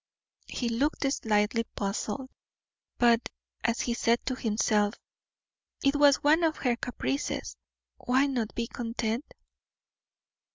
He looked slightly puzzled, but, as he said to himself, it was one of her caprices why not be content?